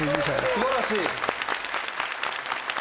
素晴らしい。